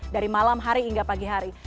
dari malam hari hingga pagi hari